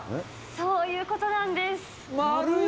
そういうことなんです。